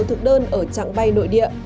thực đơn ở trạng bay nội địa